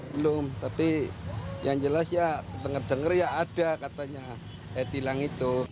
belum tapi yang jelas ya denger dengar ya ada katanya e tilang itu